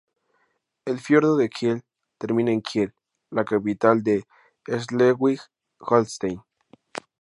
El fiordo de Kiel termina en Kiel, la capital de Schleswig-Holstein.